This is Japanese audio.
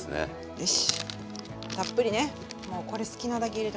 よし。